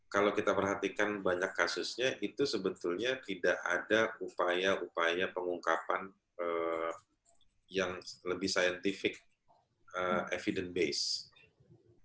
kalau kita perhatikan banyak kasusnya itu sebetulnya tidak ada upaya upaya pengungkapan yang lebih scientific evidence based